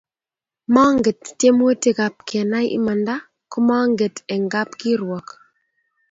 manget tiemutik ab kenai imanda ko manget eng kap kirwak